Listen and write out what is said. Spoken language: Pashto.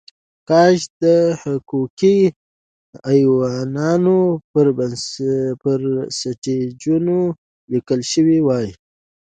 کاش د حقوقي ایوانونو پر سټیجونو لیکل شوې وای.